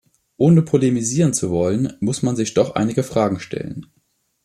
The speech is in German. Ohne polemisieren zu wollen, muss man sich doch einige Fragen stellen.